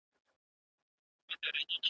مرګه ونیسه لمنه چي در لوېږم